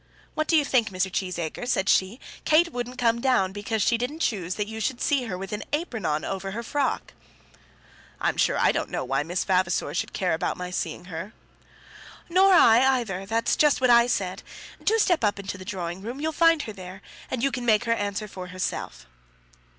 "What do you think, Mr. Cheesacre," said she, "Kate wouldn't come down because she didn't choose that you should see her with an apron on over her frock!" "I'm sure I don't know why Miss Vavasor should care about my seeing her." "Nor I either. That's just what I said. Do step up into the drawing room; you'll find her there, and you can make her answer for herself."